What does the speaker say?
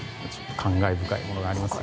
感慨深いものがありますね。